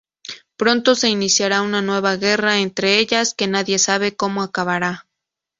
Pronto se iniciará una nueva guerra entre ellas, que nadie sabe cómo acabará.